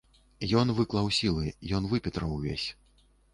Ён выклаў сілы, ён выпетраў увесь.